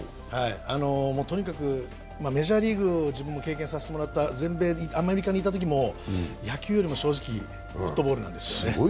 とにかくメジャーリーグを自分が経験させてもらったアメリカにいたときも野球よりも正直、フットボールなんですよね。